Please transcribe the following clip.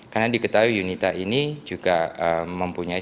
karena diketahui yunita ini juga mempunyai